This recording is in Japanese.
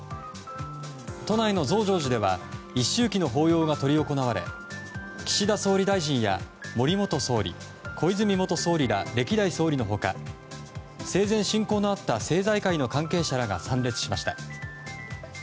都内の増上寺では一周忌の法要が執り行われ岸田総理大臣や森元総理小泉元総理ら歴代総理の他生前、親交のあった政財界の関係者らが参列しました。